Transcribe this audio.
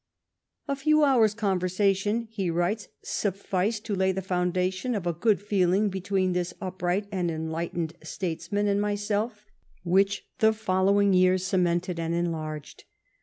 " A few hours' conversation," he writes, " sufSced to lay the fuimda tion of a good feeling between this upright and enlightened statesman and myself, which the following years cemented and enlarged."